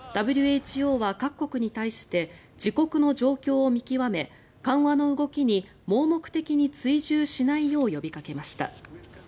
ＷＨＯは各国に対して自国の状況を見極め緩和の動きに盲目的に追従しないよう呼びかけました。